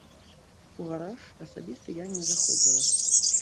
У гараж асабіста я не заходзіла.